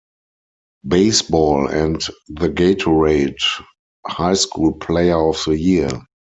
Baseball and the Gatorade High School Player of the Year.